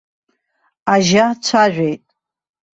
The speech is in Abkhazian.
Ажьа цәажәеит.